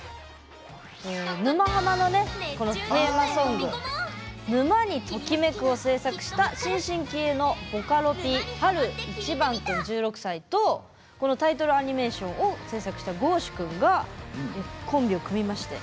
「沼ハマ」のねこのテーマソング「沼にときめく！」を制作した新進気鋭のボカロＰ晴いちばん君１６歳とこのタイトルアニメーションを制作したｇｏ‐ｓｈｕ君がコンビを組みましてへ。